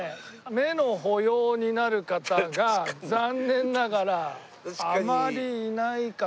目の保養になる方が残念ながらあまりいないかなっていう。